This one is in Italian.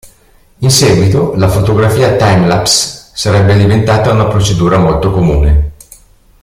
In seguito la "fotografia time-lapse" sarebbe diventata una procedura molto comune.